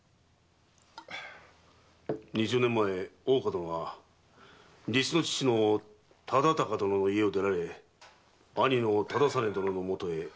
二十年前大岡殿は実の父の忠高殿の家を出られ兄の忠真殿のもとへ養子に入られたそうだな。